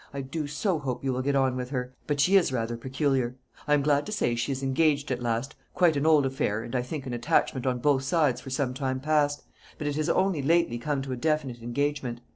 I do so hope you will get on with her; but she is rather peculiar. I am glad to say she is engaged at last quite an old affair, and I think an attachment on both sides for some time past; but it has only lately come to a definite engagement.